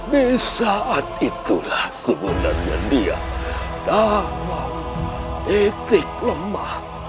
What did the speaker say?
di saat itulah sebenarnya dia dalam titik lemah